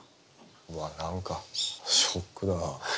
うわ何かショックだな。